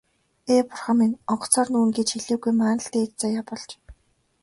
Ээ, бурхан минь, онгоцоор нүүнэ гэж хэлээгүй маань л дээд заяа болж.